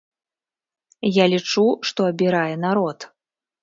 Я лічу, што абірае народ.